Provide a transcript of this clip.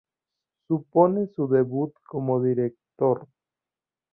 Supone su debut como director.